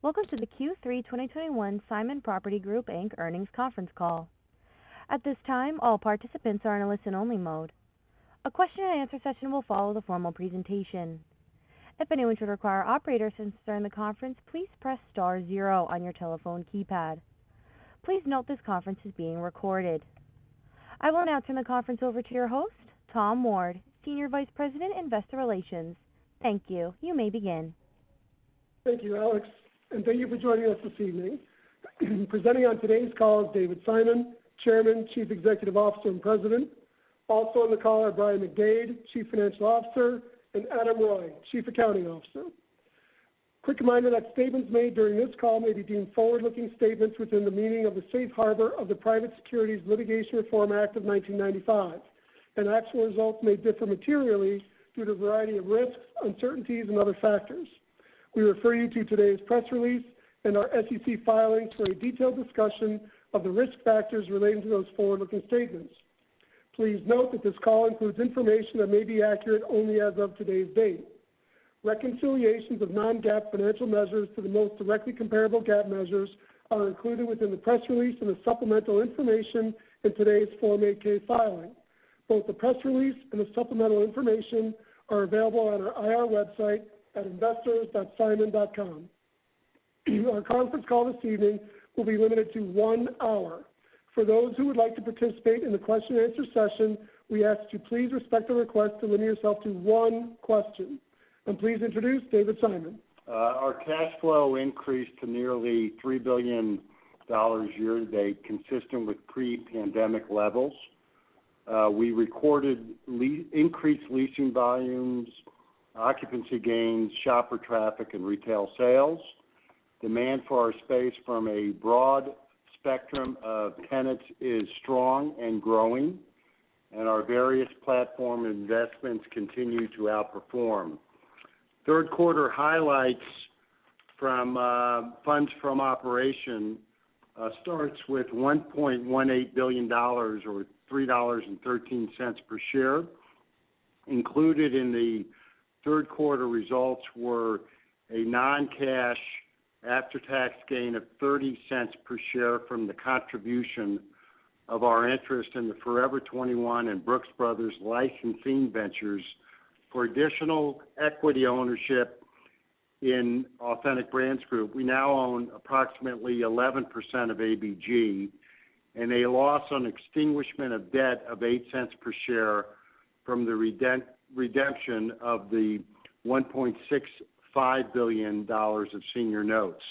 Welcome to the Q3 2021 Simon Property Group, Inc. earnings conference call. At this time, all participants are in a listen-only mode. A question-and-answer session will follow the formal presentation. If anyone should require operator assistance during the conference, please press star zero on your telephone keypad. Please note this conference is being recorded. I will now turn the conference over to your host, Tom Ward, Senior Vice President, Investor Relations. Thank you. You may begin. Thank you, Alex, and thank you for joining us this evening. Presenting on today's call is David Simon, Chairman, Chief Executive Officer, and President. Also on the call are Brian McDade, Chief Financial Officer, and Adam Reuille, Chief Accounting Officer. Quick reminder that statements made during this call may be deemed forward-looking statements within the meaning of the Safe Harbor of the Private Securities Litigation Reform Act of 1995, and actual results may differ materially due to a variety of risks, uncertainties, and other factors. We refer you to today's press release and our SEC filings for a detailed discussion of the risk factors relating to those forward-looking statements. Please note that this call includes information that may be accurate only as of today's date. Reconciliations of non-GAAP financial measures to the most directly comparable GAAP measures are included within the press release and the supplemental information in today's Form 8-K filing. Both the press release and the supplemental information are available on our IR website at investors.simon.com. Our conference call this evening will be limited to one hour. For those who would like to participate in the question-and-answer session, we ask that you please respect the request to limit yourself to one question. Please introduce David Simon. Our cash flow increased to nearly $3 billion year to date, consistent with pre-pandemic levels. We recorded increased leasing volumes, occupancy gains, shopper traffic, and retail sales. Demand for our space from a broad spectrum of tenants is strong and growing, and our various platform investments continue to outperform. Third quarter highlights from funds from operations starts with $1.18 billion or $3.13 per share. Included in the third quarter results were a non-cash after-tax gain of $0.30 per share from the contribution of our interest in the Forever 21 and Brooks Brothers licensing ventures for additional equity ownership in Authentic Brands Group. We now own approximately 11% of ABG and a loss on extinguishment of debt of $0.08 per share from the redemption of the $1.65 billion of senior notes.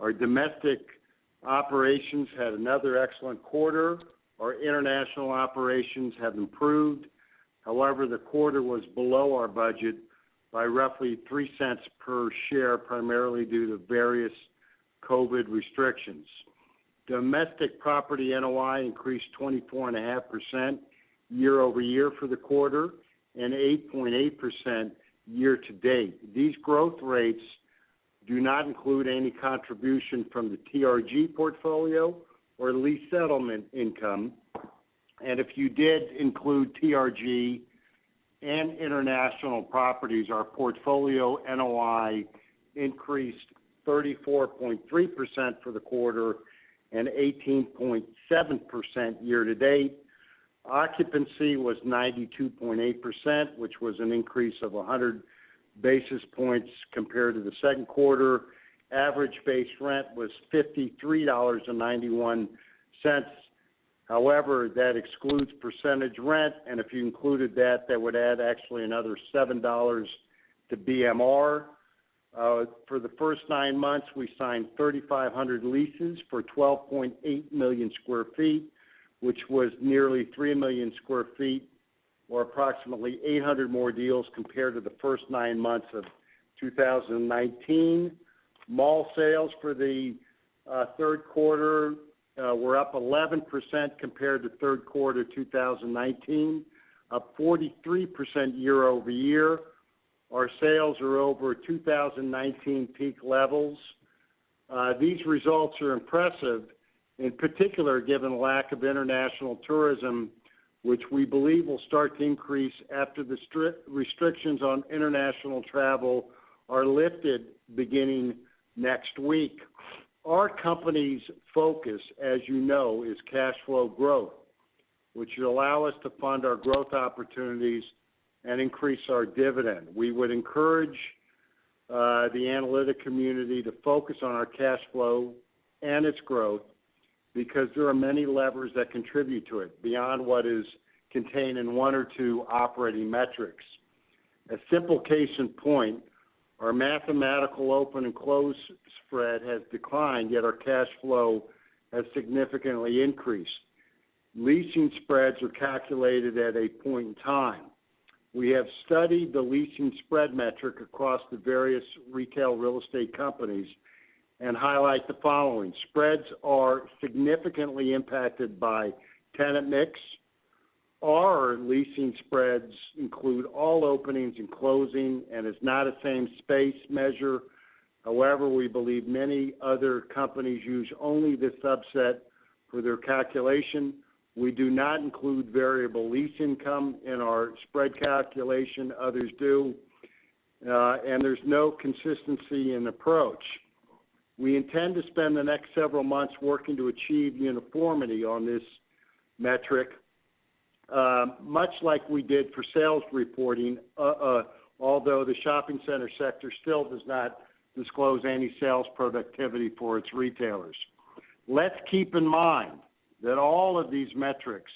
Our domestic operations had another excellent quarter. Our international operations have improved. However, the quarter was below our budget by roughly $0.03 per share, primarily due to various COVID restrictions. Domestic property NOI increased 24.5% year-over-year for the quarter and 8.8% year-to-date. These growth rates do not include any contribution from the TRG portfolio or lease settlement income. If you did include TRG and international properties, our portfolio NOI increased 34.3% for the quarter and 18.7% year-to-date. Occupancy was 92.8%, which was an increase of 100 basis points compared to the second quarter. Average base rent was $53.91. However, that excludes percentage rent, and if you included that would add actually another $7 to BMR. For the first nine months, we signed 3,500 leases for 12.8 million sq ft, which was nearly 3 million sq ft or approximately 800 more deals compared to the first nine months of 2019. Mall sales for the third quarter were up 11% compared to third quarter 2019, up 43% year-over-year. Our sales are over 2019 peak levels. These results are impressive, in particular, given the lack of international tourism, which we believe will start to increase after the strict restrictions on international travel are lifted beginning next week. Our company's focus, as you know, is cash flow growth, which will allow us to fund our growth opportunities and increase our dividend. We would encourage the analyst community to focus on our cash flow and its growth because there are many levers that contribute to it beyond what is contained in one or two operating metrics. A simple case in point, our mathematical open and close spread has declined, yet our cash flow has significantly increased. Leasing spreads are calculated at a point in time. We have studied the leasing spread metric across the various retail real estate companies and highlight the following. Spreads are significantly impacted by tenant mix. Our leasing spreads include all openings and closings and is not a same space measure. However, we believe many other companies use only this subset for their calculation. We do not include variable lease income in our spread calculation, others do, and there's no consistency in approach. We intend to spend the next several months working to achieve uniformity on this metric, much like we did for sales reporting, although the shopping center sector still does not disclose any sales productivity for its retailers. Let's keep in mind that all of these metrics,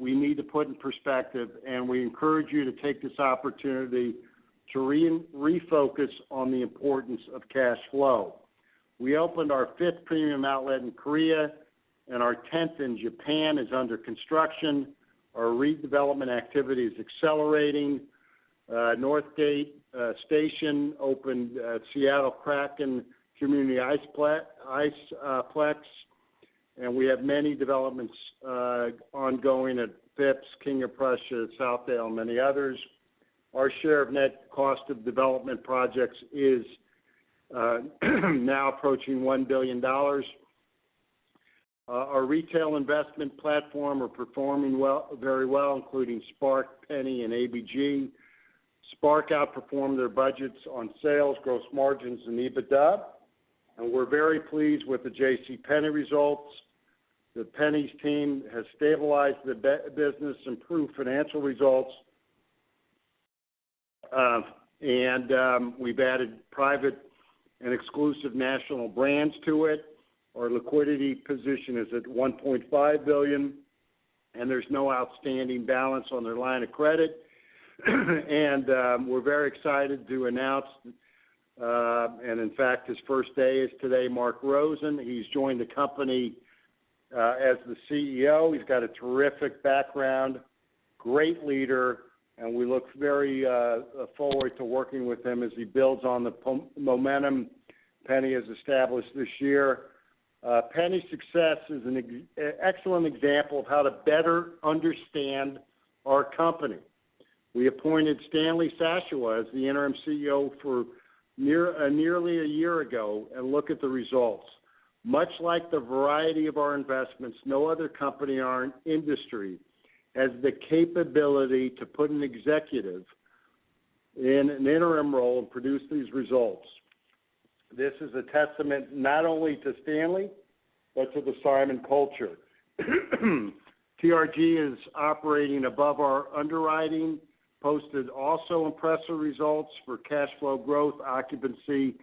we need to put in perspective, and we encourage you to take this opportunity to refocus on the importance of cash flow. We opened our fifth premium outlet in Korea, and our tenth in Japan is under construction. Our redevelopment activity is accelerating. Northgate Station opened at Seattle Kraken Community Iceplex. We have many developments ongoing at Phipps, King of Prussia, Southdale, and many others. Our share of net cost of development projects is now approaching $1 billion. Our retail investment platform are performing well, very well, including SPARC, JCPenney, and ABG. SPARC outperformed their budgets on sales, gross margins, and EBITDA. We're very pleased with the J.C. Penney results. The Penney's team has stabilized the business, improved financial results, and we've added private and exclusive national brands to it. Our liquidity position is at $1.5 billion, and there's no outstanding balance on their line of credit. We're very excited to announce, and in fact, his first day is today, Marc Rosen. He's joined the company as the CEO. He's got a terrific background, great leader, and we look very forward to working with him as he builds on the momentum Penney has established this year. Penney's success is an excellent example of how to better understand our company. We appointed Stanley Shashoua as the interim CEO nearly a year ago, and look at the results. Much like the variety of our investments, no other company in our industry has the capability to put an executive in an interim role and produce these results. This is a testament not only to Stanley, but to the Simon culture. TRG is operating above our underwriting, posted also impressive results for cash flow growth, occupancy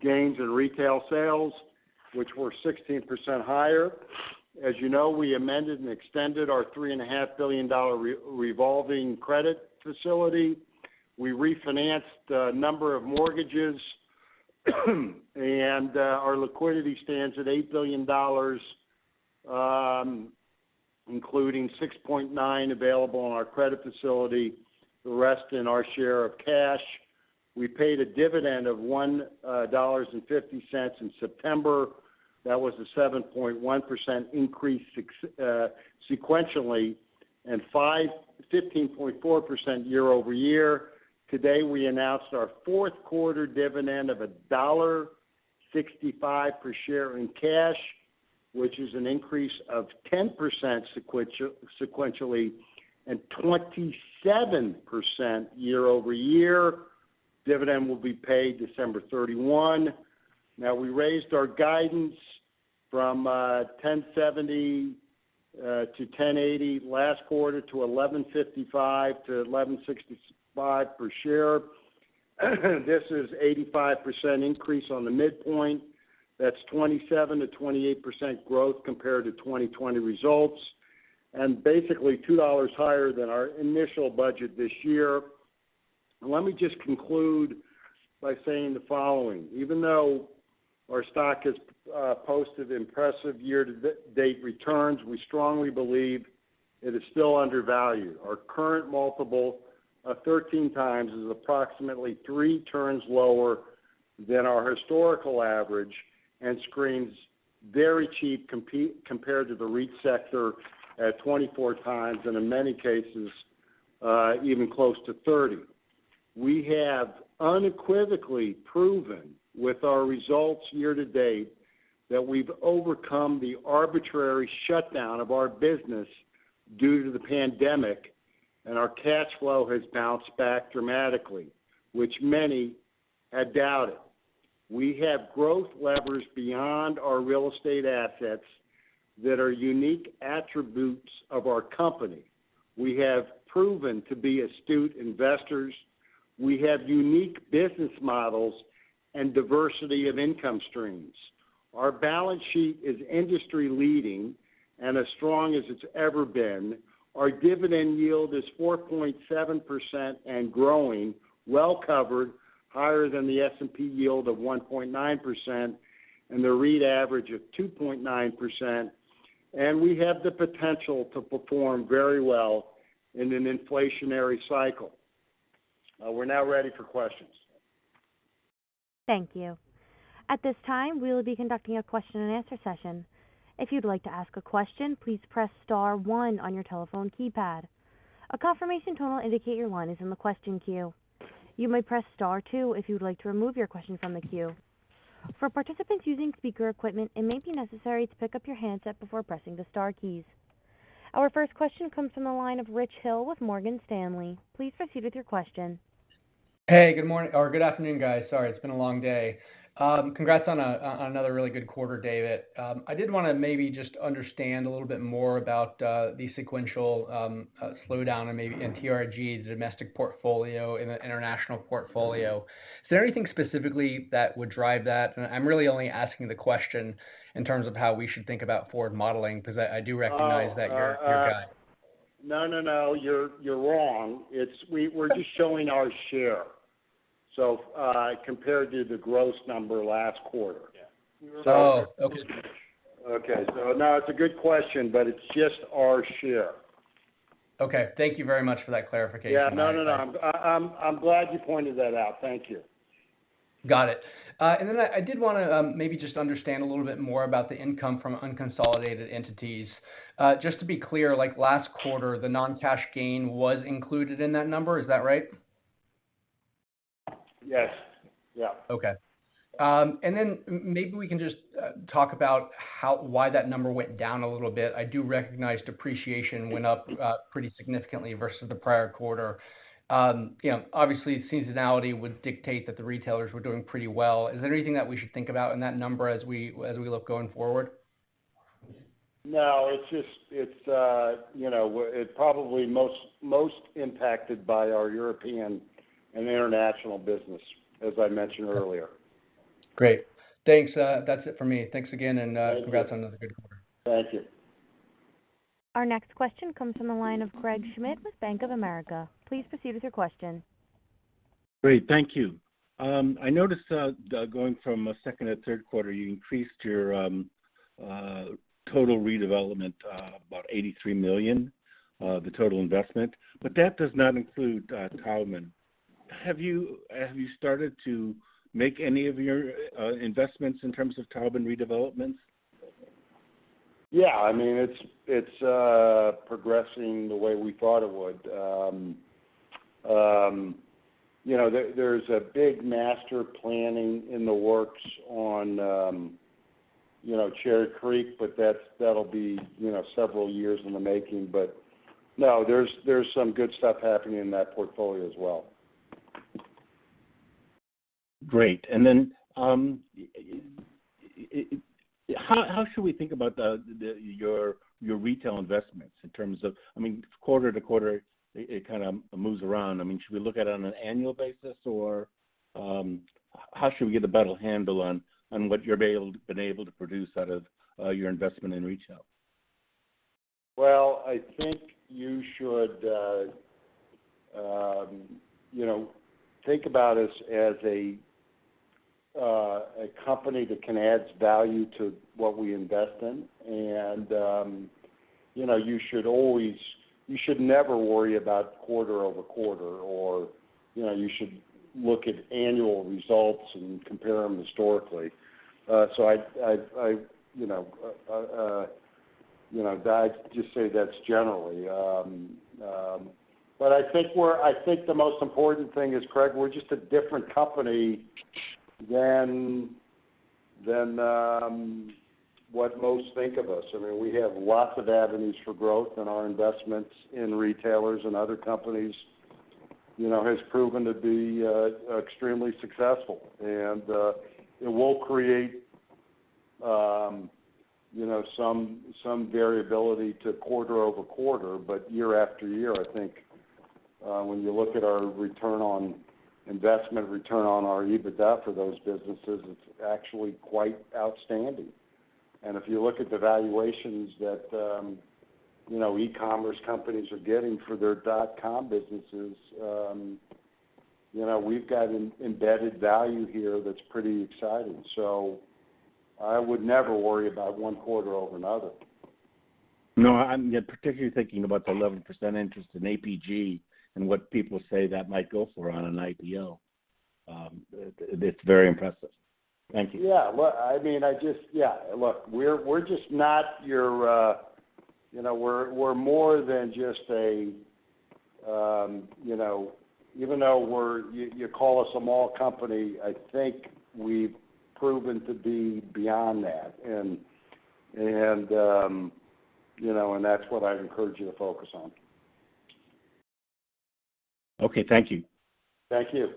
gains, and retail sales, which were 16% higher. As you know, we amended and extended our $3.5 billion revolving credit facility. We refinanced a number of mortgages, and our liquidity stands at $8 billion, including $6.9 billion available in our credit facility, the rest in our share of cash. We paid a dividend of $1.50 in September. That was a 7.1% increase sequentially and 15.4% year-over-year. Today, we announced our fourth quarter dividend of $1.65 per share in cash, which is an increase of 10% sequentially, and 27% year-over-year. Dividend will be paid December 31. Now we raised our guidance from $10.70-$10.80 last quarter to $11.55-$11.65 per share. This is 85% increase on the midpoint. That's 27%-28% growth compared to 2020 results and basically $2 higher than our initial budget this year. Let me just conclude by saying the following. Even though our stock has posted impressive year-to-date returns, we strongly believe it is still undervalued. Our current multiple of 13x is approximately three turns lower than our historical average and screens very cheap compared to the REIT sector at 24x, and in many cases, even close to 30. We have unequivocally proven with our results year to date that we've overcome the arbitrary shutdown of our business due to the pandemic, and our cash flow has bounced back dramatically, which many had doubted. We have growth levers beyond our real estate assets that are unique attributes of our company. We have proven to be astute investors. We have unique business models and diversity of income streams. Our balance sheet is industry-leading and as strong as it's ever been. Our dividend yield is 4.7% and growing, well covered, higher than the S&P yield of 1.9% and the REIT average of 2.9%. We have the potential to perform very well in an inflationary cycle. We're now ready for questions. Thank you. At this time, we'll be conducting a question-and-answer session. If you'd like to ask a question, please press star one on your telephone keypad. A confirmation tone will indicate your line is in the question queue. Our first question comes from the line of Richard Hill with Morgan Stanley. Please proceed with your question. Hey, good morning or good afternoon, guys. Sorry, it's been a long day. Congrats on another really good quarter, David. I did wanna maybe just understand a little bit more about the sequential slowdown and maybe in TRG's domestic portfolio, in the international portfolio. Is there anything specifically that would drive that? I'm really only asking the question in terms of how we should think about forward modeling, because I do recognize that you're Oh. guided. No, no, you're wrong. It's we're just showing our share, so, compared to the gross number last quarter. Yeah. So- Oh, okay. Okay. No, it's a good question, but it's just our share. Okay. Thank you very much for that clarification. Yeah. No, no. I'm glad you pointed that out. Thank you. Got it. I did wanna maybe just understand a little bit more about the income from unconsolidated entities. Just to be clear, like last quarter, the non-cash gain was included in that number. Is that right? Yes. Yeah. Okay. Maybe we can just talk about why that number went down a little bit. I do recognize depreciation went up pretty significantly versus the prior quarter. You know, obviously, seasonality would dictate that the retailers were doing pretty well. Is there anything that we should think about in that number as we look going forward? No. It's, you know, it probably most impacted by our European and international business, as I mentioned earlier. Great. Thanks. That's it for me. Thanks again, and Thank you. Congrats on another good quarter. Thank you. Our next question comes from the line of Craig Mailman with Bank of America. Please proceed with your question. Great. Thank you. I noticed going from second to third quarter, you increased your total redevelopment about $83 million, the total investment. That does not include Taubman. Have you started to make any of your investments in terms of Taubman redevelopments? Yeah. I mean, it's progressing the way we thought it would. You know, there's a big master planning in the works on, you know, Cherry Creek, but that's, that'll be, you know, several years in the making. No, there's some good stuff happening in that portfolio as well. Great. How should we think about your retail investments in terms of, I mean, quarter to quarter, it kinda moves around. I mean, should we look at it on an annual basis, or how should we get a better handle on what you've been able to produce out of your investment in retail? Well, I think you should, you know, think about us as a company that can adds value to what we invest in. You know, you should never worry about quarter-over-quarter or, you know, you should look at annual results and compare them historically. I, you know, just say that's generally. I think the most important thing is, Craig, we're just a different company than what most think of us. I mean, we have lots of avenues for growth in our investments in retailers and other companies, you know, has proven to be extremely successful. It will create you know some variability to quarter-over-quarter, but year after year, I think when you look at our return on investment, return on our EBITDA for those businesses, it's actually quite outstanding. If you look at the valuations that you know e-commerce companies are getting for their dot-com businesses, you know we've got an embedded value here that's pretty exciting. I would never worry about one quarter over another. No, yeah, particularly thinking about the 11% interest in ABG and what people say that might go for on an IPO. It's very impressive. Thank you. Yeah. Well, I mean, yeah. Look, we're just not your you know, we're more than just a you know, even though you call us a mall company. I think we've proven to be beyond that. That's what I'd encourage you to focus on. Okay. Thank you. Thank you.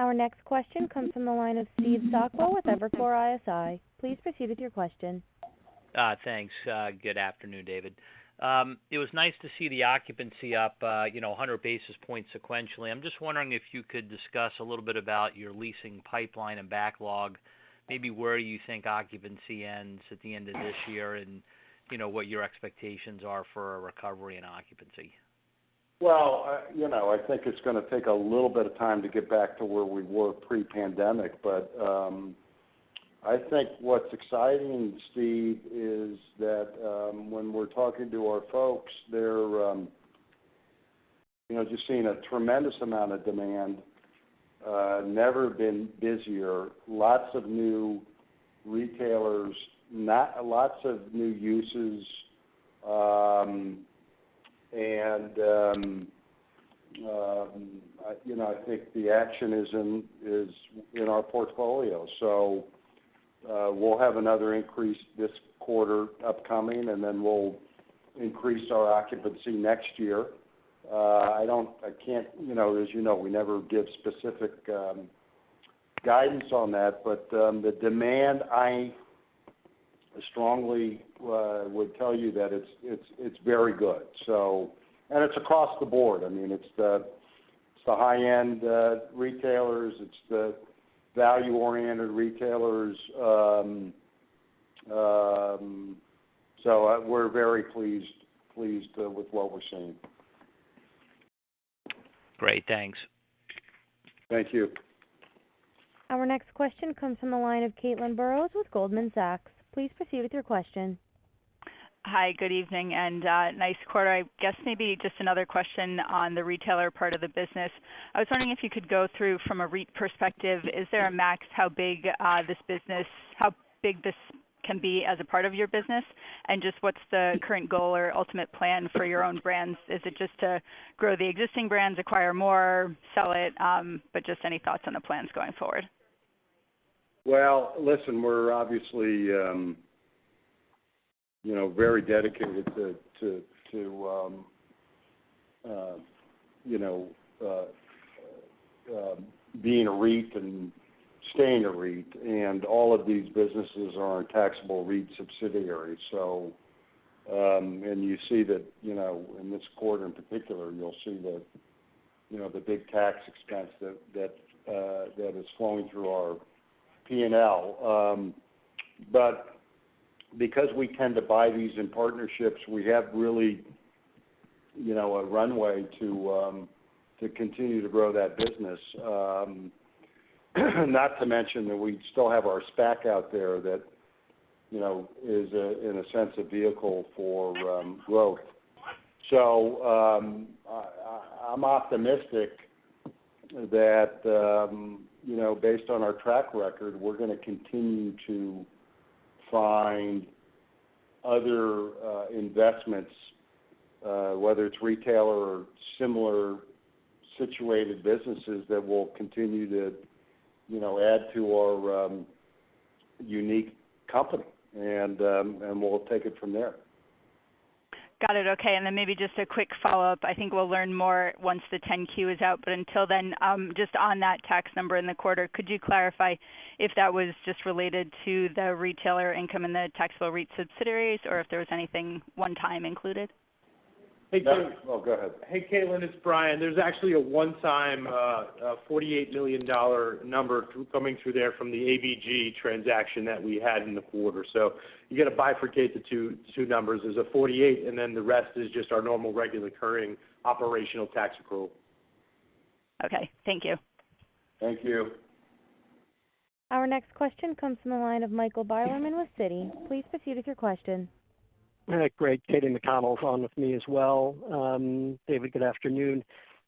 Our next question comes from the line of Steve Sakwa with Evercore ISI. Please proceed with your question. Thanks. Good afternoon, David. It was nice to see the occupancy up, you know, 100 basis points sequentially. I'm just wondering if you could discuss a little bit about your leasing pipeline and backlog, maybe where you think occupancy ends at the end of this year and, you know, what your expectations are for a recovery in occupancy. Well, you know, I think it's gonna take a little bit of time to get back to where we were pre-pandemic, but I think what's exciting, Steve, is that when we're talking to our folks, they're you know, just seeing a tremendous amount of demand. Never been busier, lots of new retailers, lots of new uses. You know, I think the action is in our portfolio. We'll have another increase this quarter upcoming, and then we'll increase our occupancy next year. I can't, you know, as you know, we never give specific guidance on that. The demand, I strongly would tell you that it's very good. It's across the board. I mean, it's the high-end retailers. It's the value-oriented retailers. We're very pleased with what we're seeing. Great. Thanks. Thank you. Our next question comes from the line of Caitlin Burrows with Goldman Sachs. Please proceed with your question. Hi, good evening, and nice quarter. I guess maybe just another question on the retailer part of the business. I was wondering if you could go through from a REIT perspective, is there a max how big this business, how big this can be as a part of your business? And just what's the current goal or ultimate plan for your own brands? Is it just to grow the existing brands, acquire more, sell it? Just any thoughts on the plans going forward. Well, listen, we're obviously, you know, very dedicated to being a REIT and staying a REIT, and all of these businesses are in taxable REIT subsidiaries. You see that, you know, in this quarter in particular, you'll see the, you know, the big tax expense that is flowing through our P&L. Because we tend to buy these in partnerships, we have really, you know, a runway to continue to grow that business. Not to mention that we still have our SPAC out there that, you know, is a, in a sense, a vehicle for growth. I'm optimistic that you know, based on our track record, we're gonna continue to find other investments, whether it's retailer or similar situated businesses that will continue to you know, add to our unique company. We'll take it from there. Got it. Okay. Then maybe just a quick follow-up. I think we'll learn more once the 10-Q is out. Until then, just on that tax number in the quarter, could you clarify if that was just related to the retailer income in the taxable REIT subsidiaries, or if there was anything one-time included? Hey, Caitlin. No. Oh, go ahead. Hey, Caitlin, it's Brian. There's actually a one-time $48 million number coming through there from the ABG transaction that we had in the quarter. You gotta bifurcate the two numbers. There's a 48, and then the rest is just our normal regular occurring operational tax accrual. Okay. Thank you. Thank you. Our next question comes from the line of Michael Bilerman with Citi. Please proceed with your question. Hi. Greg, Katie McConnell is on with me as well. David, good afternoon.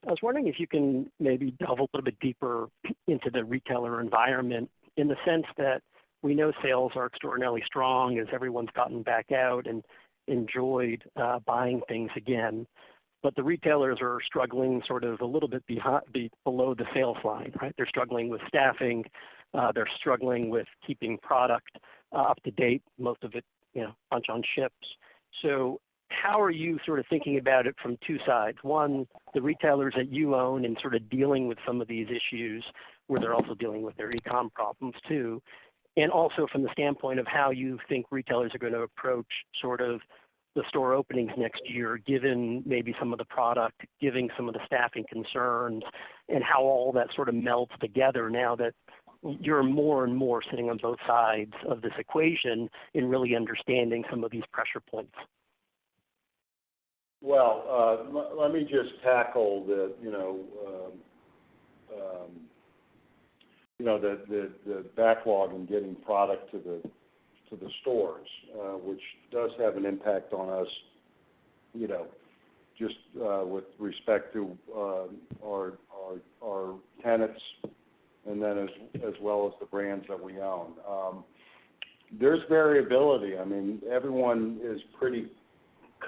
I was wondering if you can maybe delve a little bit deeper into the retailer environment in the sense that we know sales are extraordinarily strong as everyone's gotten back out and enjoyed buying things again. But the retailers are struggling sort of a little bit below the sales line, right? They're struggling with staffing. They're struggling with keeping product up to date, most of it, you know, bunched on ships. So how are you sort of thinking about it from two sides? One, the retailers that you own and sort of dealing with some of these issues, where they're also dealing with their e-com problems too. Also from the standpoint of how you think retailers are gonna approach sort of the store openings next year, given maybe some of the product, given some of the staffing concerns, and how all that sort of melds together now that you're more and more sitting on both sides of this equation and really understanding some of these pressure points. Well, let me just tackle the, you know, the backlog in getting product to the stores, which does have an impact on us, you know, just with respect to our tenants and then as well as the brands that we own. There's variability. I mean, everyone is pretty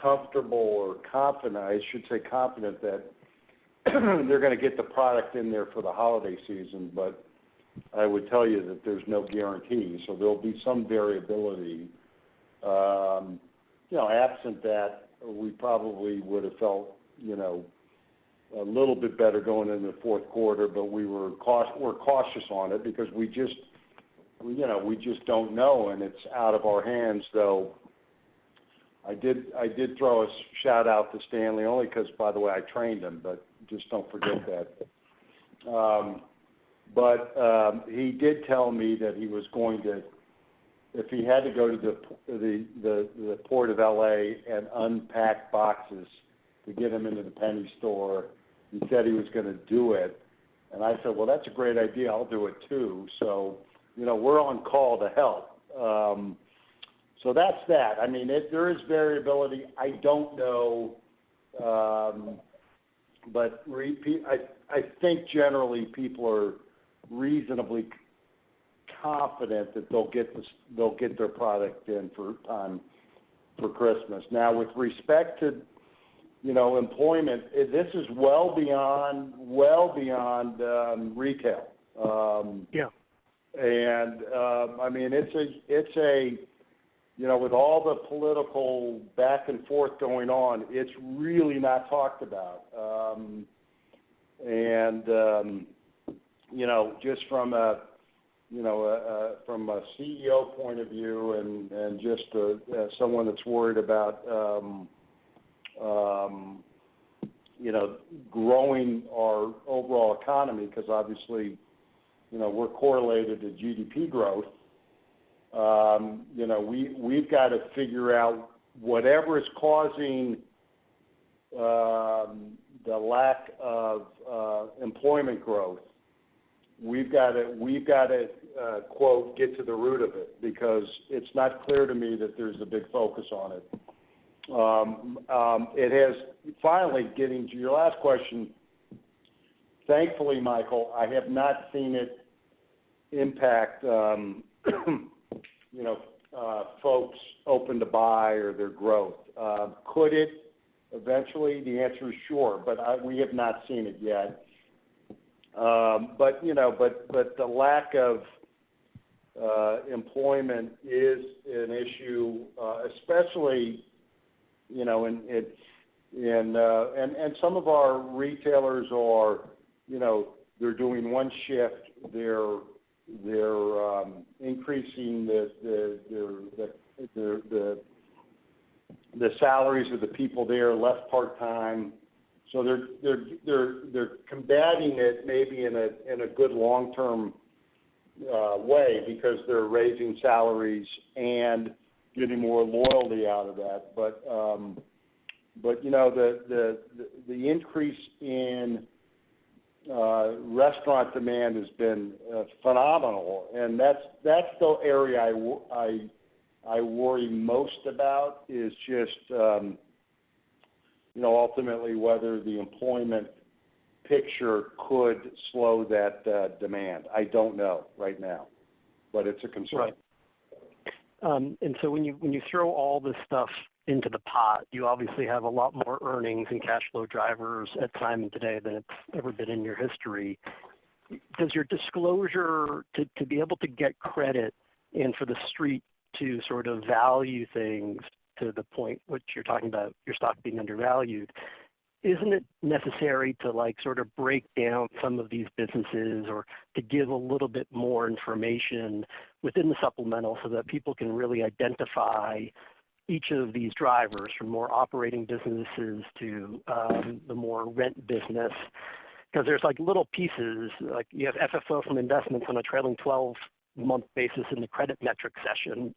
comfortable or confident, I should say, confident that they're gonna get the product in there for the holiday season. But I would tell you that there's no guarantee, so there'll be some variability. You know, absent that, we probably would have felt, you know, a little bit better going into the fourth quarter, but we're cautious on it because we just, you know, we just don't know, and it's out of our hands, though. I did throw a shout-out to Stanley only because, by the way, I trained him, but just don't forget that. He did tell me that he was going to. If he had to go to the Port of L.A. and unpack boxes to get them into the JCPenney store, he said he was gonna do it. And I said, "Well, that's a great idea. I'll do it too." You know, we're on call to help. That's that. I mean, there is variability. I don't know, but repeat, I think generally people are reasonably confident that they'll get this, they'll get their product in for Christmas. Now with respect to, you know, employment, this is well beyond retail. Yeah. I mean, it's a you know, with all the political back and forth going on, it's really not talked about. You know, just from a you know, from a CEO point of view and just as someone that's worried about you know, growing our overall economy, because obviously, you know, we're correlated to GDP growth. You know, we've got to figure out whatever is causing the lack of employment growth. We've gotta quote, "get to the root of it," because it's not clear to me that there's a big focus on it. Finally, getting to your last question, thankfully, Michael, I have not seen it impact you know, folks open to buy or their growth. Could it eventually? The answer is sure. We have not seen it yet. You know, the lack of employment is an issue, especially, you know, and some of our retailers are, you know, they're doing one shift. They're increasing the salaries of the people there, less part-time. They're combating it maybe in a good long-term way because they're raising salaries and getting more loyalty out of that. You know, the increase in restaurant demand has been phenomenal, and that's the area I worry most about, is just, you know, ultimately, whether the employment picture could slow that demand. I don't know right now, it's a concern. Right. When you throw all this stuff into the pot, you obviously have a lot more earnings and cash flow drivers at this time today than it's ever been in your history. Does your disclosure to be able to get credit and for the street to sort of value things to the point which you're talking about your stock being undervalued, isn't it necessary to, like, sort of break down some of these businesses or to give a little bit more information within the supplemental so that people can really identify each of these drivers from more operating businesses to the more rent business? 'Cause there's, like, little pieces, like you have FFO from investments on a trailing 12-month basis in the credit metric section.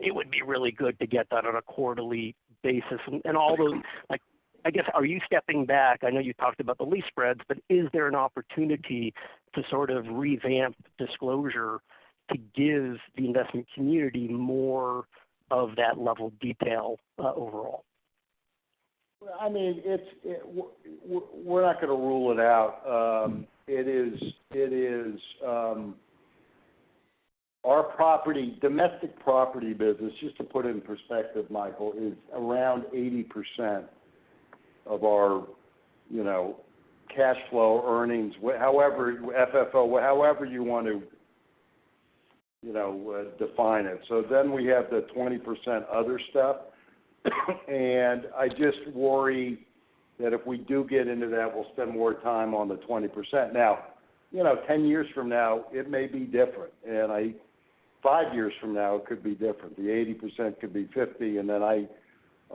It would be really good to get that on a quarterly basis. All those, like, I guess, are you stepping back? I know you talked about the lease spreads, but is there an opportunity to sort of revamp disclosure to give the investment community more of that level of detail, overall? I mean, we're not gonna rule it out. It is our domestic property business, just to put it in perspective, Michael, is around 80% of our, you know, cash flow earnings. However, FFO, however you want to, you know, define it. Then we have the 20% other stuff. I just worry that if we do get into that, we'll spend more time on the 20%. Now, you know, 10 years from now, it may be different. Five years from now, it could be different. The 80% could be 50, and then I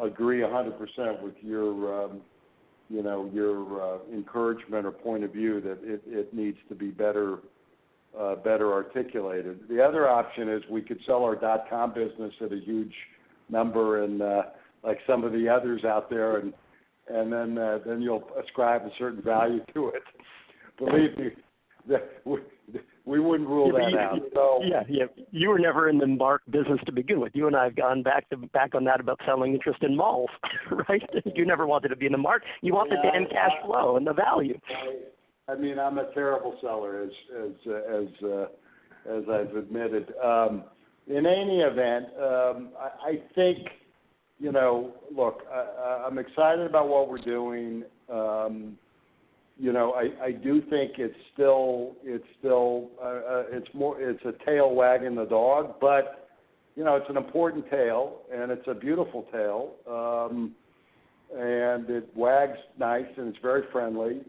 agree 100% with your, you know, your encouragement or point of view that it needs to be better articulated. The other option is we could sell our dotcom business at a huge number and, like some of the others out there and then you'll ascribe a certain value to it. Believe me, we wouldn't rule that out, so. Yeah, yeah. You were never in the market business to begin with. You and I have gone back on that about selling interest in malls, right? You never wanted to be in the market. You wanted the end cash flow and the value. I mean, I'm a terrible seller, as I've admitted. In any event, I think, you know. Look, I'm excited about what we're doing. You know, I do think it's still more—it's a tail wagging the dog, but, you know, it's an important tail, and it's a beautiful tail. It wags nice, and it's very friendly.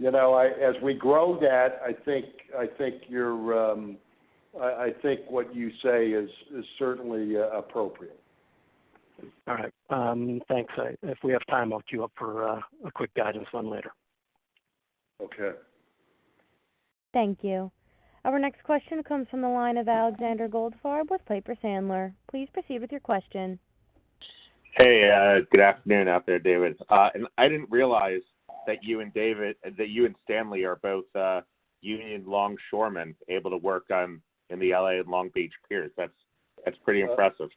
You know, as we grow that, I think what you say is certainly appropriate. All right. Thanks. If we have time, I'll queue up for a quick guidance one later. Okay. Thank you. Our next question comes from the line of Alexander Goldfarb with Piper Sandler. Please proceed with your question. Hey, good afternoon out there, David. I didn't realize that you and Stanley are both union longshoremen able to work on in the L.A. and Long Beach piers. That's pretty impressive.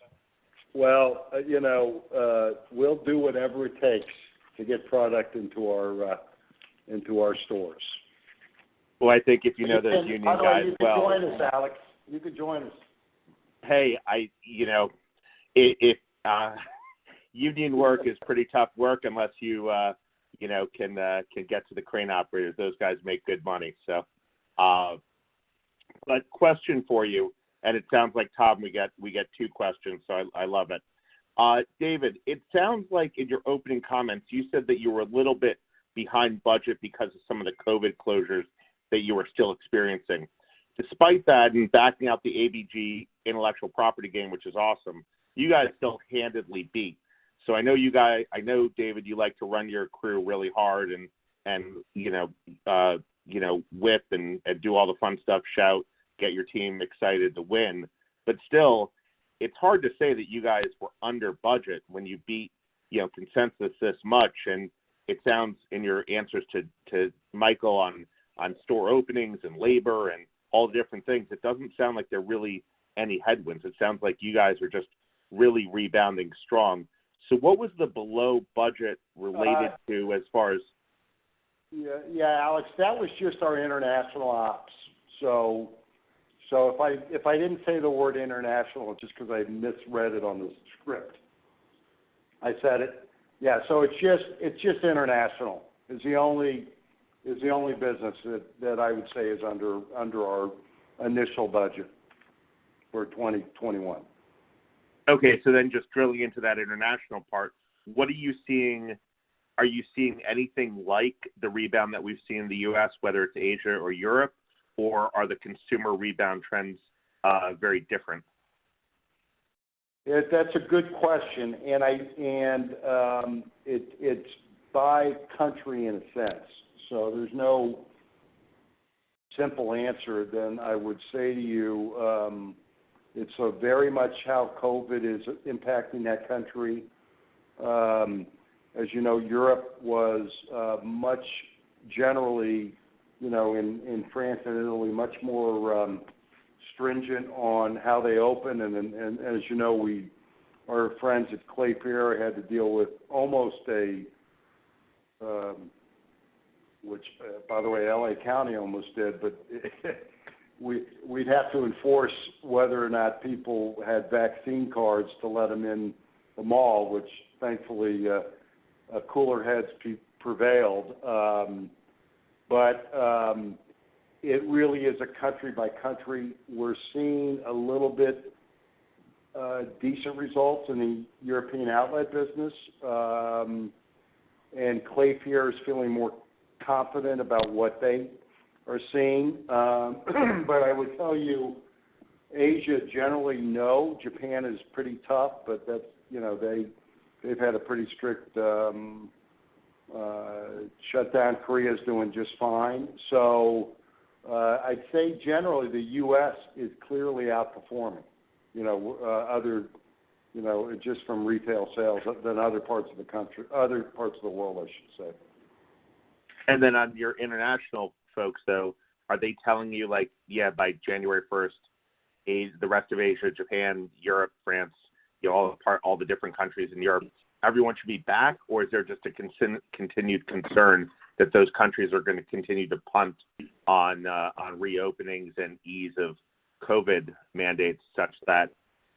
Well, you know, we'll do whatever it takes to get product into our stores. Well, I think if you know those union guys well. By the way, you could join us, Alex. You could join us. Hey, you know, if union work is pretty tough work unless you know can get to the crane operators. Those guys make good money. Question for you, and it sounds like, Tom, we get two questions, I love it. David, it sounds like in your opening comments you said that you were a little bit behind budget because of some of the COVID closures that you are still experiencing. Despite that, in backing out the ABG intellectual property gain, which is awesome, you guys still handily beat. I know, David, you like to run your crew really hard, and you know, whip and do all the fun stuff, shout, get your team excited to win. Still, it's hard to say that you guys were under budget when you beat, you know, consensus this much. It sounds in your answers to Michael on store openings and labor and all different things, it doesn't sound like there are really any headwinds. It sounds like you guys are just really rebounding strong. What was the below budget related to as far as- Yeah, Alex, that was just our international ops. If I didn't say the word international just 'cause I misread it on the script. I said it? Yeah, it's just international is the only business that I would say is under our initial budget for 2021. Okay, just drilling into that international part, what are you seeing? Are you seeing anything like the rebound that we've seen in the U.S., whether it's Asia or Europe, or are the consumer rebound trends very different? Yeah, that's a good question. It's by country in a sense. There's no simpler answer than I would say to you. It's very much how COVID is impacting that country. As you know, Europe was much more stringent generally, you know, in France and Italy, on how they open. As you know, our friends at Klépierre had to deal with, which, by the way, L.A. County almost did, but we'd have to enforce whether or not people had vaccine cards to let them in the mall, which thankfully, cooler heads prevailed. It really is country by country. We're seeing a little bit decent results in the European outlet business, and Klépierre is feeling more confident about what they are seeing. I would tell you, Asia generally, no. Japan is pretty tough, but that's, you know, they've had a pretty strict shutdown. Korea is doing just fine. I'd say generally the U.S. is clearly outperforming, you know, other, you know, just from retail sales than other parts of the country, other parts of the world, I should say. On your international folks, though, are they telling you like, yeah, by January first, the rest of Asia, Japan, Europe, France, you know, all the different countries in Europe, everyone should be back? Or is there just a continued concern that those countries are gonna continue to punt on on reopenings and ease of COVID mandates such that,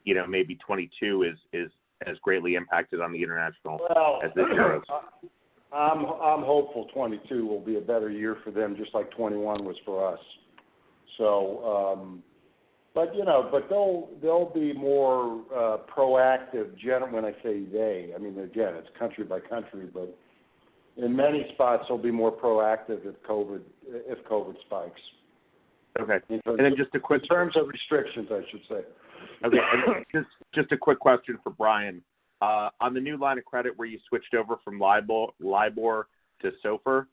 you know, maybe 2022 is as greatly impacted on the international as this year is? Well, I'm hopeful 2022 will be a better year for them, just like 2021 was for us. You know, but they'll be more proactive. When I say they, I mean, again, it's country by country, but in many spots they'll be more proactive if COVID spikes. Okay. In terms of restrictions, I should say. Okay. Just a quick question for Brian. On the new line of credit where you switched over from LIBOR to SOFR,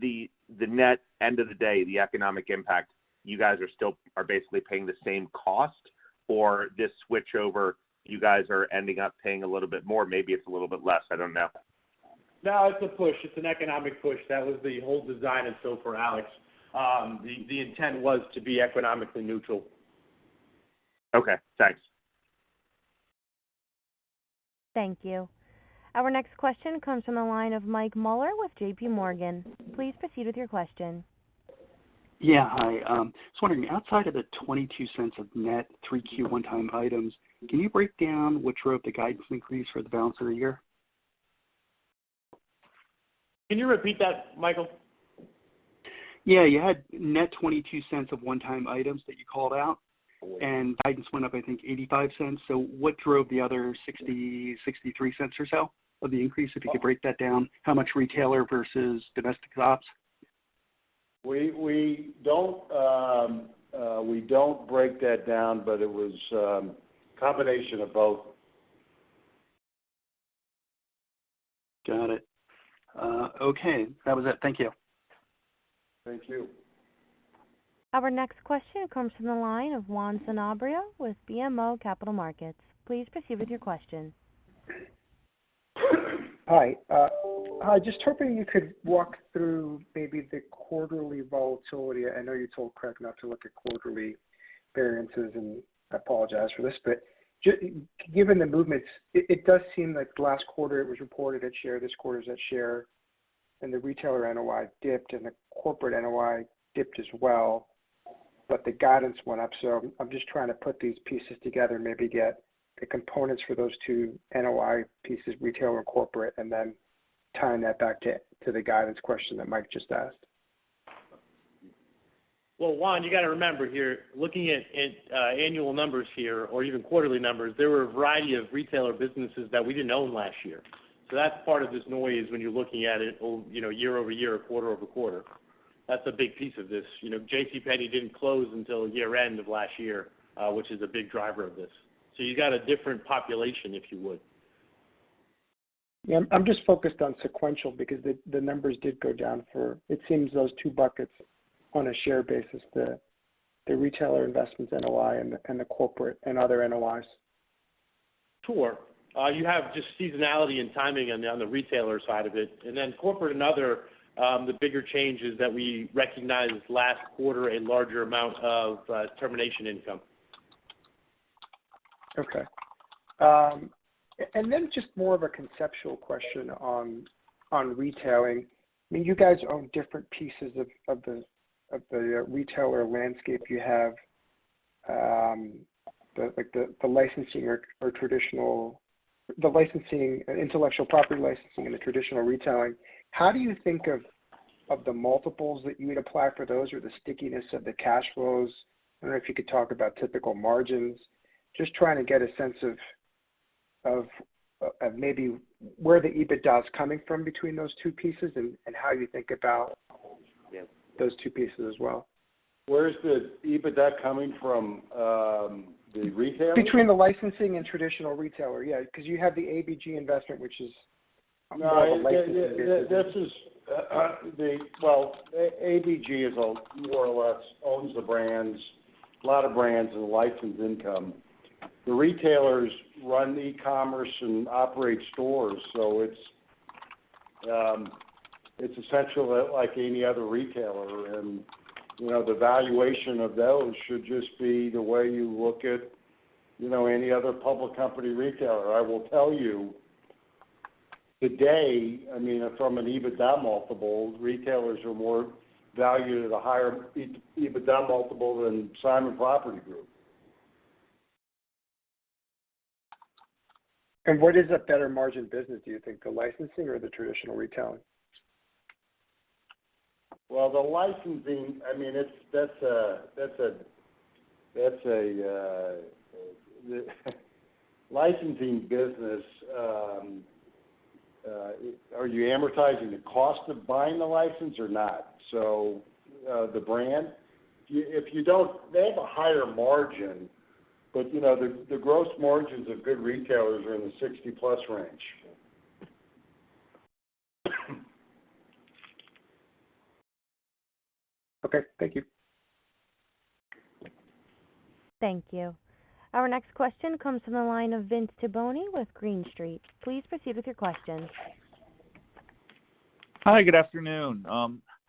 the net end of the day, the economic impact, you guys are basically paying the same cost. For this switchover, you guys are ending up paying a little bit more, maybe it's a little bit less, I don't know. No, it's a push. It's an economic push. That was the whole design of SOFR, Alex. The intent was to be economically neutral. Okay, thanks. Thank you. Our next question comes from the line of Michael Mueller with JPMorgan. Please proceed with your question. Yeah, hi. I was wondering, outside of the $0.22 of net 3Q one-time items, can you break down which drove the guidance increase for the balance of the year? Can you repeat that, Michael? Yeah. You had net $0.22 of one-time items that you called out, and guidance went up, I think $0.85. What drove the other $0.63 or so of the increase? If you could break that down, how much retailer versus domestic ops? We don't break that down, but it was combination of both. Got it. Okay, that was it. Thank you. Thank you. Our next question comes from the line of Juan Sanabria with BMO Capital Markets. Please proceed with your question. Hi. I was just hoping you could walk through maybe the quarterly volatility. I know you told Craig not to look at quarterly variances, and I apologize for this. Given the movements, it does seem like last quarter it was reported per share, this quarter it's per share, and the retail NOI dipped and the corporate NOI dipped as well, but the guidance went up. I'm just trying to put these pieces together and maybe get the components for those two NOI pieces, retail and corporate, and then tying that back to the guidance question that Mike just asked. Well, Juan, you gotta remember here, looking at annual numbers here or even quarterly numbers, there were a variety of retailer businesses that we didn't own last year. So that's part of this noise when you're looking at it over, you know, year-over-year or quarter-over-quarter. That's a big piece of this. You know, J.C. Penney didn't close until year-end of last year, which is a big driver of this. So you got a different population, if you would. Yeah, I'm just focused on sequential because the numbers did go down, for it seems those two buckets on a share basis, the retailer investments NOI and the corporate and other NOIs. Sure. You have just seasonality and timing on the retailer side of it. Then corporate and other, the bigger changes that we recognized last quarter, a larger amount of termination income. Okay. Then just more of a conceptual question on retailing. I mean, you guys own different pieces of the retailer landscape. You have like the licensing and intellectual property licensing and the traditional retailing. How do you think of the multiples that you would apply for those or the stickiness of the cash flows? I don't know if you could talk about typical margins. Just trying to get a sense of maybe where the EBITDA is coming from between those two pieces and how you think about those two pieces as well. Where is the EBITDA coming from, the retail? Between the licensing and traditional retailer, yeah, 'cause you have the ABG investment, which is. No. This is ABG more or less owns the brands, a lot of brands and license income. The retailers run e-commerce and operate stores, so it's essential that like any other retailer and, you know, the valuation of those should just be the way you look at, you know, any other public company retailer. I will tell you today, I mean, from an EBITDA multiple, retailers are more valued at a higher EBITDA multiple than Simon Property Group. What is a better margin business, do you think, the licensing or the traditional retailing? Well, the licensing, I mean, it's a licensing business, are you amortizing the cost of buying the license or not? The brand, if you don't, they have a higher margin, but, you know, the gross margins of good retailers are in the 60%+ range. Okay, thank you. Thank you. Our next question comes from the line of Vince Tibone with Green Street. Please proceed with your questions. Hi, good afternoon.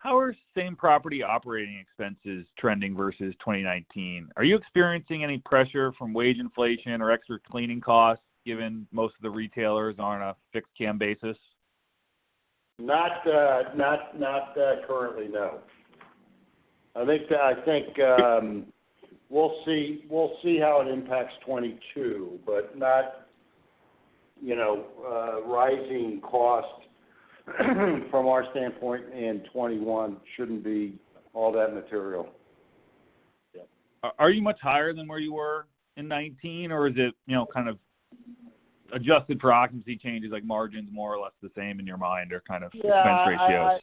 How are same-property operating expenses trending versus 2019? Are you experiencing any pressure from wage inflation or extra cleaning costs, given most of the retailers are on a fixed CAM basis? Not currently, no. I think we'll see how it impacts 2022, but not, you know, rising costs from our standpoint in 2021 shouldn't be all that material. Are you much higher than where you were in 2019, or is it, you know, kind of adjusted for occupancy changes, like margins more or less the same in your mind or kind of expense ratios?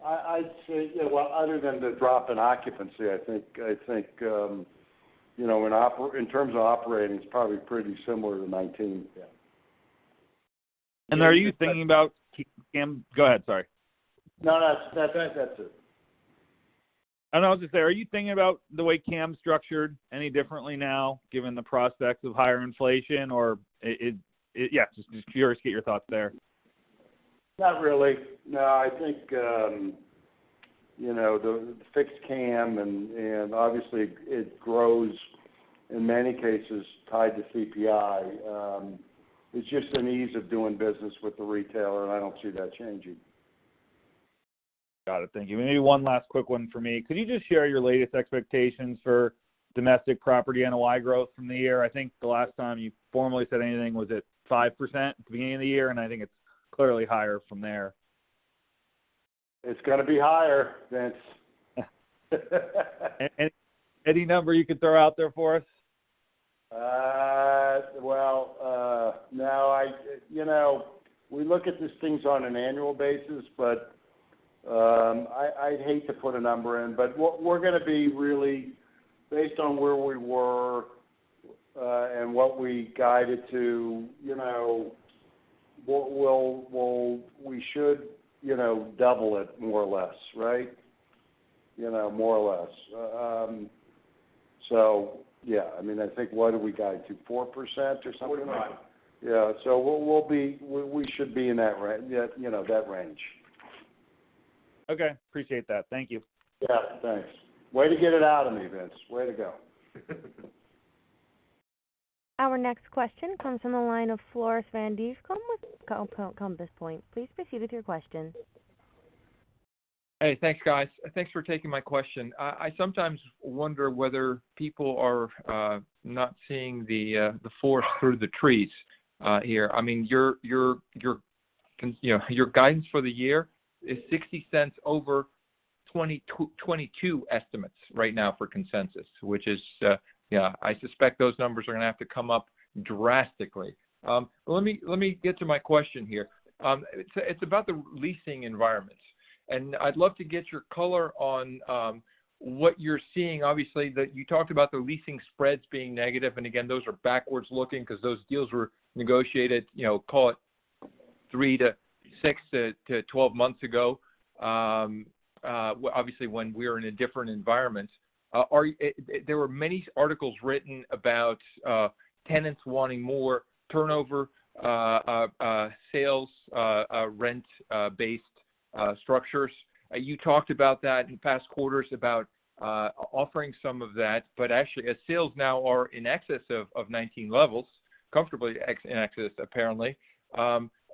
Yeah, I'd say, yeah, well, other than the drop in occupancy, I think, you know, in terms of operating, it's probably pretty similar to 2019, yeah. Are you thinking about keeping CAM? Go ahead, sorry. No, that's it. I was just saying, are you thinking about the way CAM's structured any differently now, given the prospects of higher inflation? Or yeah, just curious to get your thoughts there. Not really. No, I think, you know, the fixed CAM and obviously it grows in many cases tied to CPI. It's just an ease of doing business with the retailer. I don't see that changing. Got it. Thank you. Maybe one last quick one for me. Could you just share your latest expectations for domestic property NOI growth from the year? I think the last time you formally said anything was at 5% at the beginning of the year, and I think it's clearly higher from there. It's gonna be higher, Vince. Any number you could throw out there for us? Well, no. You know, we look at these things on an annual basis, but I'd hate to put a number in. What we're gonna be really based on where we were and what we guided to, you know, what will we should, you know, double it more or less, right? You know, more or less. Yeah, I mean, I think what did we guide to, 4% or something like that? 4.5. Yeah. We should be in that range, you know. Okay. I appreciate that. Thank you. Yeah, thanks. Way to get it out of me, Vince. Way to go. Our next question comes from the line of Floris van Dijkum with Compass Point. Please proceed with your question. Hey, thanks, guys. Thanks for taking my question. I sometimes wonder whether people are not seeing the forest through the trees here. I mean, you know, your guidance for the year is $0.60 over $2.22 estimates right now for consensus, which is, yeah, I suspect those numbers are gonna have to come up drastically. Let me get to my question here. It's about the leasing environment, and I'd love to get your color on what you're seeing. Obviously, you talked about the leasing spreads being negative, and again, those are backward-looking because those deals were negotiated, you know, call it three to six to 12 months ago, obviously when we were in a different environment. There were many articles written about tenants wanting more turnover, sales, rent-based structures. You talked about that in past quarters about offering some of that, but actually as sales now are in excess of 2019 levels, comfortably in excess, apparently,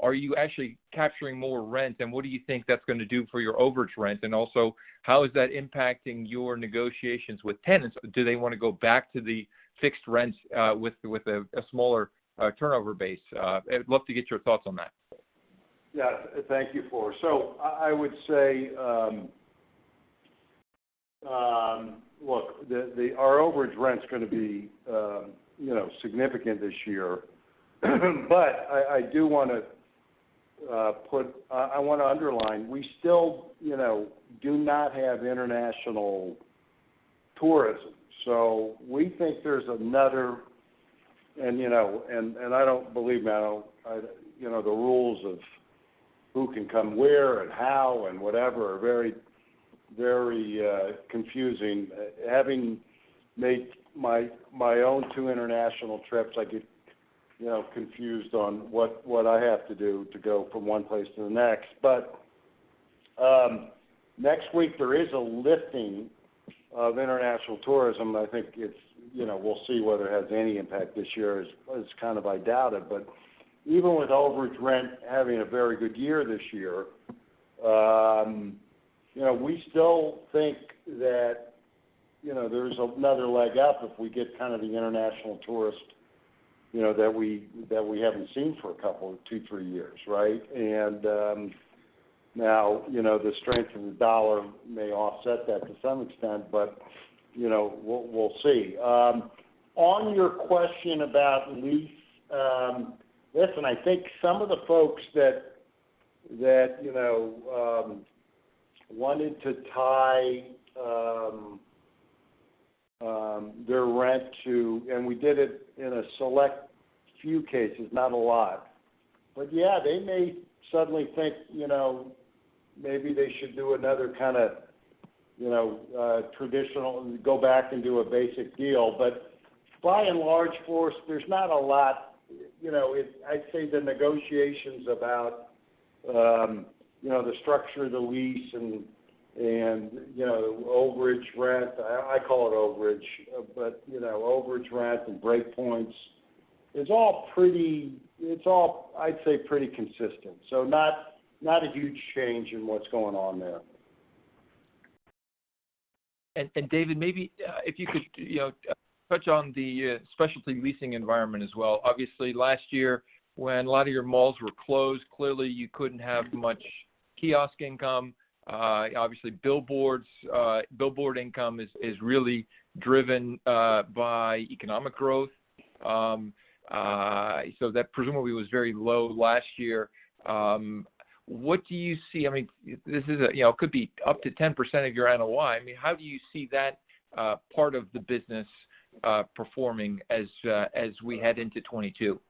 are you actually capturing more rent, and what do you think that's gonna do for your overage rent? Also, how is that impacting your negotiations with tenants? Do they wanna go back to the fixed rents with a smaller turnover base? I'd love to get your thoughts on that. Yeah. Thank you, Floris. I would say, look, our overage rent's gonna be, you know, significant this year. I do wanna put. I wanna underline, we still, you know, do not have international tourism. We think there's another. You know, I don't believe now. You know, the rules of who can come where and how and whatever are very, very confusing. Having made my own two international trips, I get, you know, confused on what I have to do to go from one place to the next. Next week there is a lifting of international tourism. I think it's, you know, we'll see whether it has any impact this year is kind of I doubt it. Even with overage rent having a very good year this year, you know, we still think that, you know, there's another leg up if we get kind of the international tourist, you know, that we haven't seen for a couple, two, three years, right? Now, you know, the strength in the dollar may offset that to some extent, but, you know, we'll see. On your question about lease, listen, I think some of the folks that wanted to tie their rent to. We did it in a select few cases, not a lot. But yeah, they may suddenly think, you know, maybe they should do another kinda, you know, traditional and go back and do a basic deal. But by and large, Floris, there's not a lot. You know, it. I'd say the negotiations about, you know, the structure of the lease and, you know, overage rent. I call it overage, but, you know, overage rent and break points, it's all pretty, I'd say, pretty consistent, so not a huge change in what's going on there. David, maybe if you could, you know, touch on the specialty leasing environment as well. Obviously, last year when a lot of your malls were closed, clearly you couldn't have much kiosk income. Obviously billboards, billboard income is really driven by economic growth. That presumably was very low last year. What do you see? I mean, this is a, you know, could be up to 10% of your NOI. I mean, how do you see that part of the business performing as we head into 2022?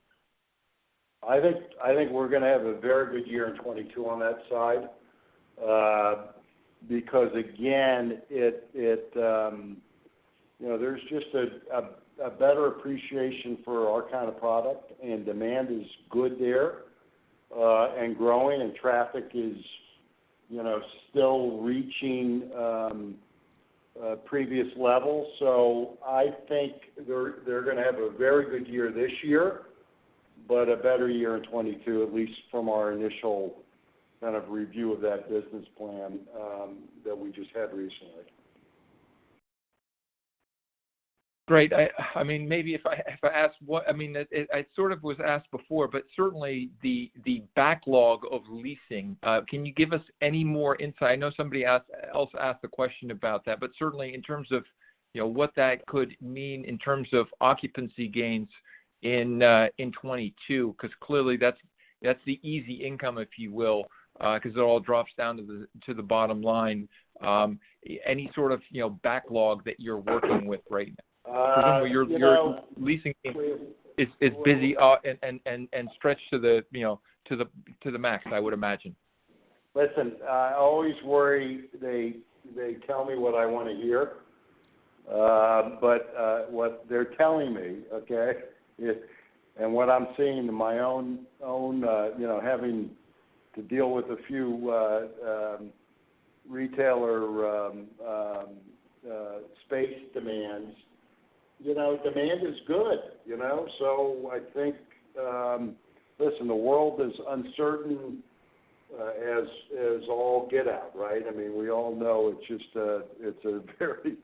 I think we're gonna have a very good year in 2022 on that side. Because again, it, you know, there's just a better appreciation for our kind of product and demand is good there, and growing, and traffic is, you know, still reaching, previous levels. I think they're gonna have a very good year this year, but a better year in 2022, at least from our initial kind of review of that business plan, that we just had recently. Great. I mean, I sort of was asked before, but certainly the backlog of leasing, can you give us any more insight? I know somebody asked a question about that. Certainly in terms of, you know, what that could mean in terms of occupancy gains in 2022, 'cause clearly that's the easy income, if you will, 'cause it all drops down to the bottom line. Any sort of, you know, backlog that you're working with right now. You know. Presumably your leasing is busy and stretched to the max, you know, I would imagine. Listen, I always worry they tell me what I wanna hear, but what they're telling me, okay, is, and what I'm seeing in my own, you know, having to deal with a few, retailer space demands, you know, demand is good, you know. I think, listen, the world is uncertain, as all get out, right? I mean, we all know it's just, it's a very,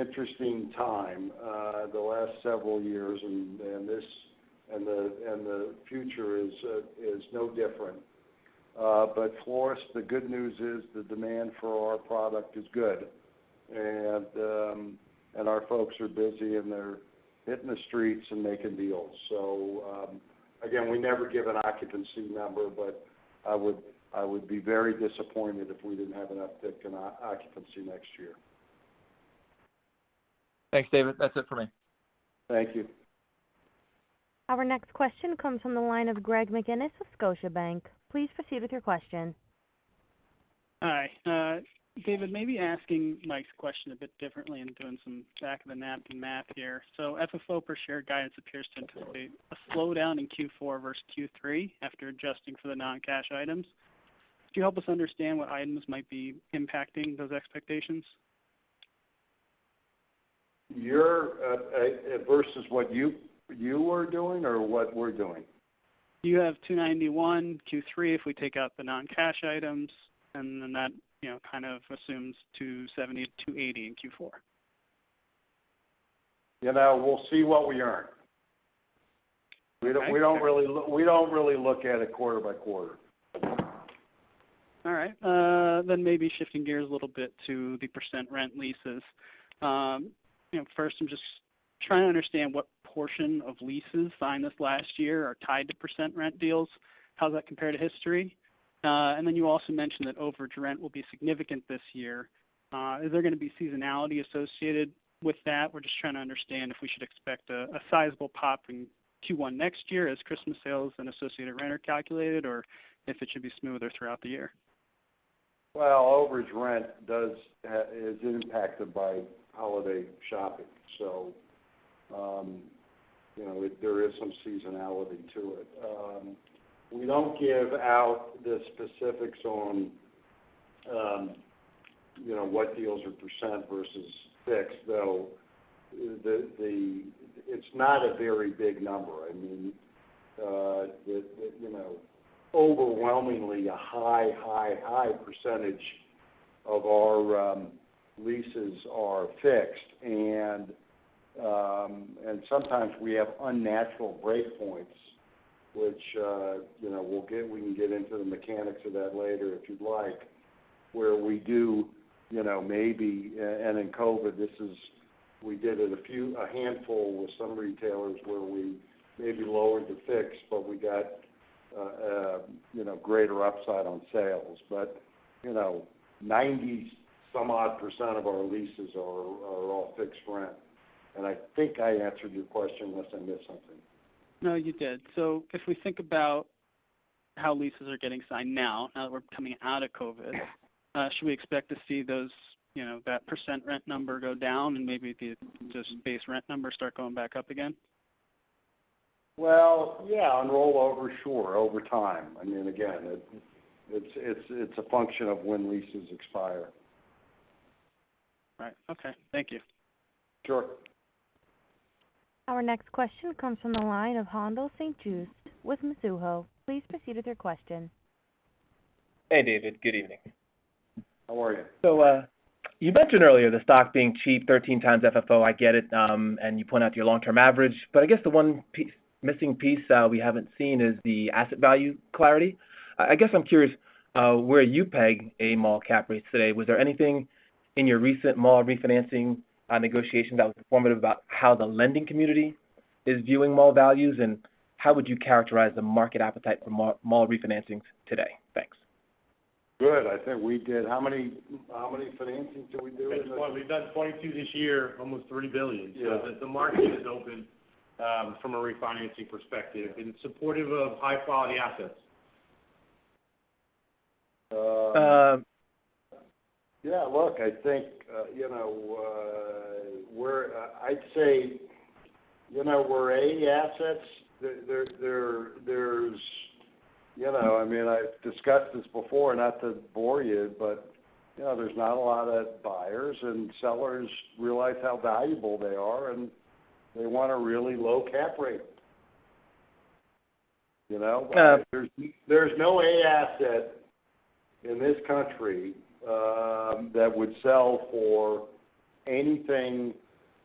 interesting time, the last several years, and this and the future is no different. For us, the good news is the demand for our product is good. Our folks are busy, and they're hitting the streets and making deals. Again, we never give an occupancy number, but I would be very disappointed if we didn't have an uptick in occupancy next year. Thanks, David. That's it for me. Thank you. Our next question comes from the line of Greg McGinniss with Scotiabank. Please proceed with your question. Hi. David, maybe asking Mike's question a bit differently and doing some back of the napkin math here. FFO per share guidance appears to anticipate a slowdown in Q4 versus Q3 after adjusting for the non-cash items. Could you help us understand what items might be impacting those expectations? Your versus what you are doing or what we're doing? You have 291 Q3, if we take out the non-cash items, and then that, you know, kind of assumes 270-280 in Q4. You know, we'll see what we earn. Okay. We don't really look at it quarter by quarter. All right. Maybe shifting gears a little bit to the percent rent leases. You know, first, I'm just trying to understand what portion of leases signed this last year are tied to percent rent deals, how does that compare to history? You also mentioned that overage rent will be significant this year. Is there gonna be seasonality associated with that? We're just trying to understand if we should expect a sizable pop in Q1 next year as Christmas sales and associated rent are calculated, or if it should be smoother throughout the year? Well, overage rent is impacted by holiday shopping. There is some seasonality to it. We don't give out the specifics on what deals are percent versus fixed, though it's not a very big number. I mean, you know, overwhelmingly a high percentage of our leases are fixed. Sometimes we have unnatural breakpoints, which, you know, we can get into the mechanics of that later, if you'd like, where we do maybe in COVID a handful with some retailers where we lowered the fixed, but we got greater upside on sales. Ninety-some-odd% of our leases are all fixed rent. I think I answered your question, unless I missed something. No, you did. If we think about how leases are getting signed now that we're coming out of COVID. Yeah Should we expect to see those, you know, that percent rent number go down and maybe the just base rent number start going back up again? Well, yeah, on rollover, sure, over time. I mean, again, it's a function of when leases expire. Right. Okay. Thank you. Sure. Our next question comes from the line of Haendel St. Juste with Mizuho. Please proceed with your question. Hey, David. Good evening. How are you? You mentioned earlier the stock being cheap, 13 times FFO, I get it, and you point out to your long-term average. I guess the one missing piece we haven't seen is the asset value clarity. I guess I'm curious where you peg a mall cap rates today. Was there anything in your recent mall refinancing negotiation that was informative about how the lending community is viewing mall values? How would you characterize the market appetite for mall refinancings today? Thanks. Good. How many financings did we do in the- We've done 22 this year, almost $3 billion. Yeah. The market is open, from a refinancing perspective, and supportive of high-quality assets. Uh. Um. Yeah, look, I think, you know, we're, I'd say, you know, we're A assets. There's, you know, I mean, I've discussed this before, not to bore you, but, you know, there's not a lot of buyers, and sellers realize how valuable they are, and they want a really low cap rate. You know? Yeah. There's no asset in this country that would sell for anything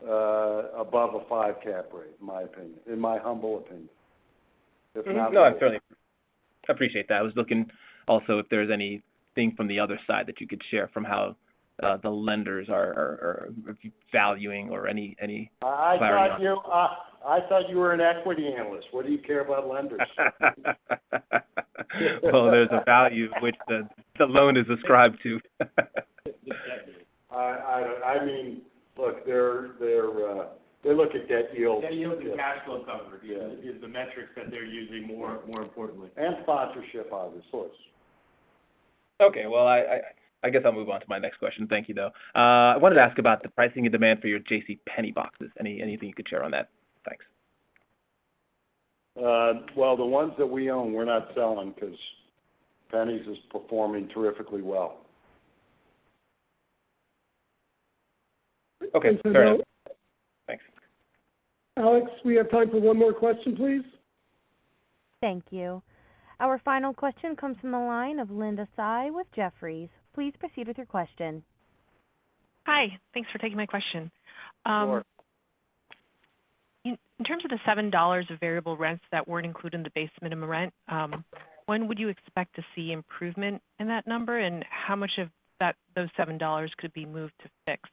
above a five-cap rate, in my opinion, in my humble opinion. No, I fully appreciate that. I was looking also if there's anything from the other side that you could share from how the lenders are valuing or any clarity on that. I thought you were an equity analyst. What do you care about lenders? Well, there's a value which the loan is ascribed to. I mean, look, they look at debt yields. Debt yields and cash flow coverage. Yeah is the metrics that they're using more importantly. Sponsorship, obviously. Okay. Well, I guess I'll move on to my next question. Thank you, though. I wanted to ask about the pricing and demand for your JCPenney boxes. Anything you could share on that? Thanks. The ones that we own, we're not selling 'cause JCPenney's is performing terrifically well. Okay. Fair enough. Thanks. Alex, we have time for one more question, please. Thank you. Our final question comes from the line of Linda Tsai with Jefferies. Please proceed with your question. Hi. Thanks for taking my question. Sure. In terms of the $7 of variable rents that weren't included in the base minimum rent, when would you expect to see improvement in that number? How much of that, those $7 could be moved to fixed?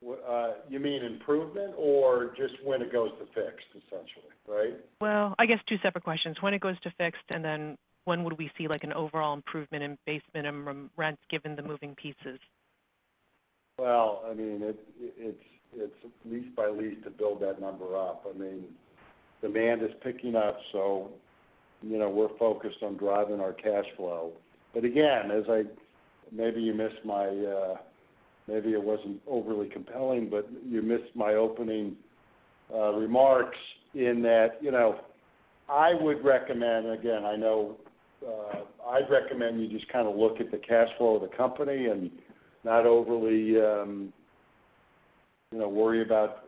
What, you mean improvement or just when it goes to fixed, essentially, right? Well, I guess two separate questions. When it goes to fixed, and then when would we see like an overall improvement in base minimum rents given the moving pieces? Well, I mean, lease by lease to build that number up. I mean, demand is picking up, so you know, we're focused on driving our cash flow. Again, maybe you missed my, maybe it wasn't overly compelling, but you missed my opening remarks in that. You know, I would recommend, again, I know, I'd recommend you just kinda look at the cash flow of the company and not overly you know worry about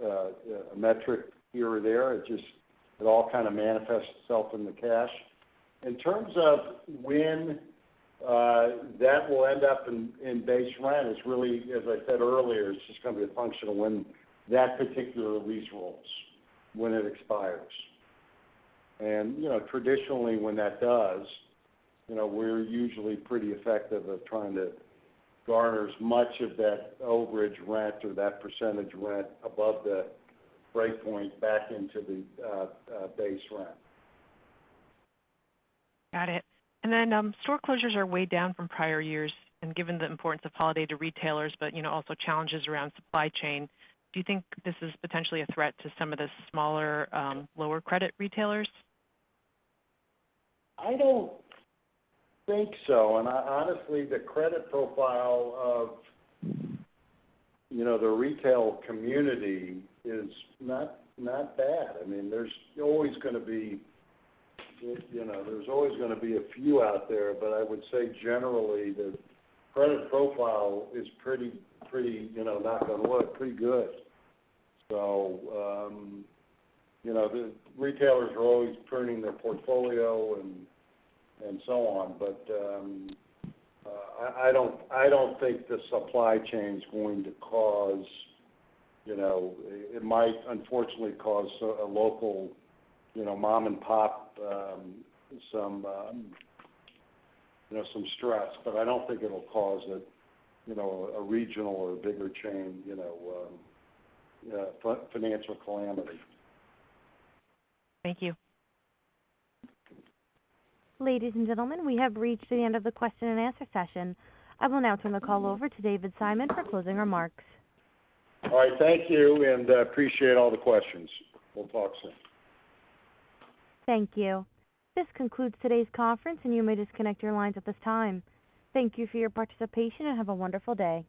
a metric here or there. It just all kinda manifests itself in the cash. In terms of when that will end up in base rent, it's really, as I said earlier, it's just gonna be a function of when that particular lease rolls, when it expires. You know, traditionally, when that does, you know, we're usually pretty effective at trying to garner as much of that overage rent or that percentage rent above the breakpoint back into the base rent. Got it. Store closures are way down from prior years, and given the importance of holiday to retailers, but, you know, also challenges around supply chain, do you think this is potentially a threat to some of the smaller, lower credit retailers? I don't think so. Honestly, the credit profile of, you know, the retail community is not bad. I mean, there's always gonna be, you know, a few out there, but I would say generally the credit profile is pretty, you know, knock on wood, pretty good. The retailers are always pruning their portfolio and so on. I don't think the supply chain's going to cause, you know. It might unfortunately cause a local, you know, mom and pop, some, you know, some stress, but I don't think it'll cause a regional or a bigger chain, you know, financial calamity. Thank you. Ladies and gentlemen, we have reached the end of the question-and-answer session. I will now turn the call over to David Simon for closing remarks. All right. Thank you and appreciate all the questions. We'll talk soon. Thank you. This concludes today's conference, and you may disconnect your lines at this time. Thank you for your participation, and have a wonderful day.